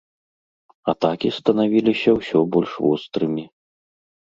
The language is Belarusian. Атакі станавіліся ўсё больш вострымі.